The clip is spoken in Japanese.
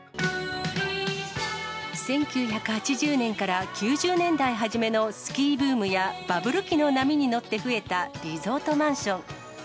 １９８０年から９０年代初めのスキーブームや、バブル期の波に乗って増えたリゾートマンション。